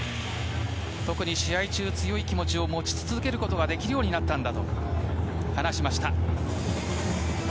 特に、試合中強い気持ちを持ち続けることができるようになったんだと話しました。